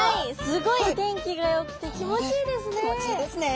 すごい天気がよくて気持ちいいですね。